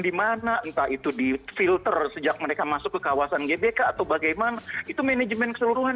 di mana entah itu di filter sejak mereka masuk ke kawasan gbk atau bagaimana itu manajemen keseluruhan